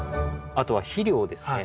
あとは肥料ですね。